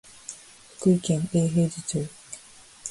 福井県永平寺町